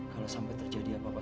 kalau sampai terjadi apa apa